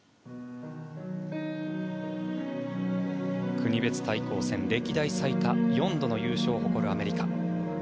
国別対抗戦、歴代最多４度の優勝を誇るアメリカ。